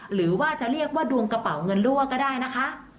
หรือว่าจะเรียกว่าดวงกระเป๋าเงินรั่วก็ได้นะคะ